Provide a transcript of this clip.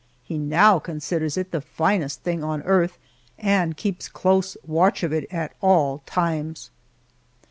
He now considers it the finest thing on earth, and keeps close watch of it at all times.